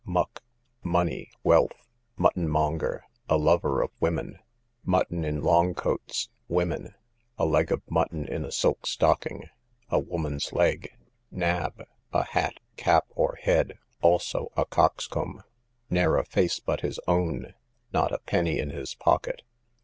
Muck, money, wealth. Muttonmonger, a lover of women. Mutton in long coats, women; a leg of mutton in a silk stocking, a woman's leg. Nab, a hat, cap, or head; also a coxcomb. Ne'er a face but his own, not a penny in his pocket.